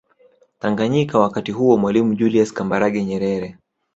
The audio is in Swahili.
Tanganyika wakati huo Mwalimu juliusi Kambarage Nyerere